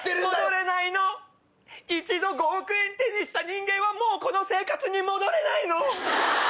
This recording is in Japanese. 一度５億円手にした人間はもうこの生活に戻れないの！